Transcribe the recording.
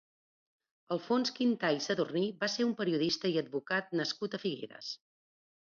Alfons Quintà i Sadurní va ser un periodista i advocat nascut a Figueres.